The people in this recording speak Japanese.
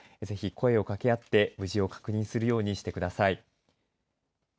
ぜひ声を掛け合って無事を確認するようにしてください。